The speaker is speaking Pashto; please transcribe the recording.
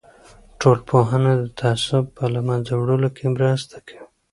ټولنپوهنه د تعصب په له منځه وړلو کې مرسته کوي.